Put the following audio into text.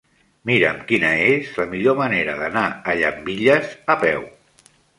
Mira'm quina és la millor manera d'anar a Llambilles a peu.